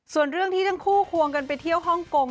ส่วนเรื่องที่ทั้งคู่ควงกันไปเที่ยวฮ่องกง